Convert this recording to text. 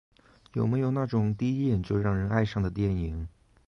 有没有那种第一眼就让人爱上的电影？